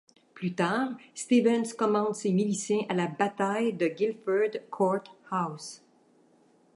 Plus tard, Stevens commande ses miliciens à la bataille de Guilford Court House.